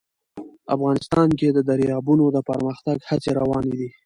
افغانستان کې د دریابونه د پرمختګ هڅې روانې دي.